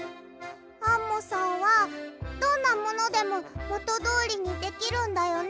アンモさんはどんなものでももとどおりにできるんだよね？